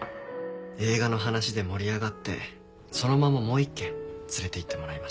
映画の話で盛り上がってそのままもう一軒連れて行ってもらいました。